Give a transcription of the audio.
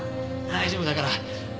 大丈夫だから。